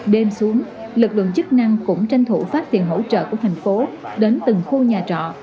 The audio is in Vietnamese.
đêm xuống lực lượng chức năng cũng tranh thủ phát tiền hỗ trợ của thành phố đến từng khu nhà trọ